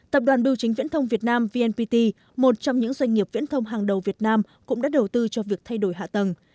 tập đoàn biểu chính viễn thông việt nam vnpt một trong những doanh nghiệp viễn thông hàng đầu việt nam cũng đã đầu tư cho việc thay đổi hạ tầng